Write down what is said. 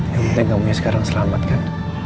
yang penting kamu yang sekarang selamat kan